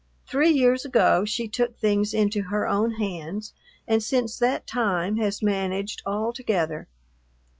Three years ago she took things into her own hands, and since that time has managed altogether.